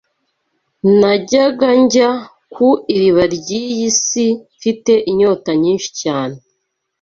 ‘’Najyaga njya ku iriba ry’iyi si mfite inyota nyinshi cyane